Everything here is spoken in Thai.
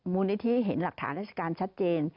มูลนิธิเห็นหลักฐานราชการชัดเจน